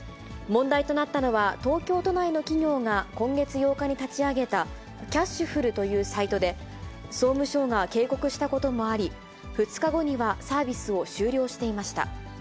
問題となったのは、東京都内の企業が今月８日に立ち上げた、キャシュふるというサイトで、総務省が警告したこともあり、２日後にはサービスを終了していました。